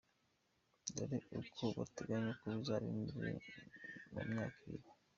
Dore uko bateganya ko bizaba bimeze mu myaka ibiri.